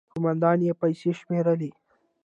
، کومندان يې پيسې شمېرلې.